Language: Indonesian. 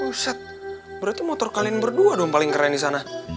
pusat berarti motor kalian berdua dong paling keren di sana